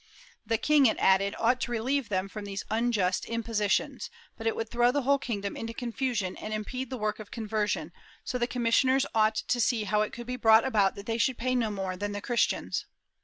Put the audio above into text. The king, it added, ought to relieve them from these unjust impo sitions, but it would throw the whole kingdom into confusion and impede the work of conversion, so the commissioners ought to see how it could be brought about that they should pay no more than the Christians.